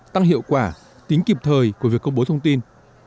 tăng hiệu quả tính kịp thời của việc công bố thông tin